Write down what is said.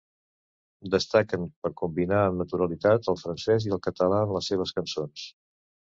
Destaquen per combinar amb naturalitat el francès i el català en les seves cançons.